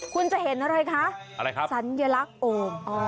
คุณจะเห็นอะไรคะอะไรครับสัญลักษณ์โอ่ง